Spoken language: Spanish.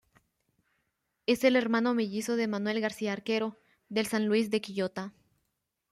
Es el hermano mellizo de Manuel García arquero del San Luis de Quillota.